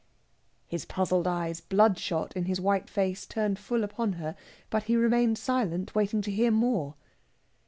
His puzzled eyes, bloodshot in his white face, turned full upon her; but he remained silent, waiting to hear more.